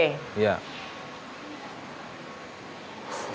saya pikir mungkin ada kaitanan dengan ini